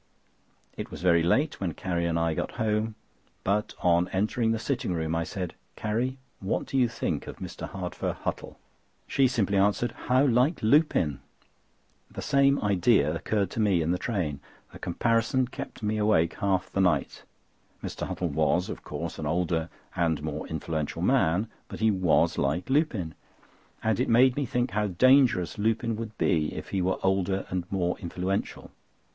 It was very late when Carrie and I got home; but on entering the sitting room I said: "Carrie, what do you think of Mr. Hardfur Huttle?" She simply answered: "How like Lupin!" The same idea occurred to me in the train. The comparison kept me awake half the night. Mr. Huttle was, of course, an older and more influential man; but he was like Lupin, and it made me think how dangerous Lupin would be if he were older and more influential.